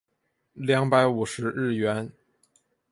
两百五十日圆